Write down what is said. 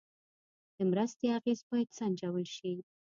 د مرستې اغېز باید سنجول شي.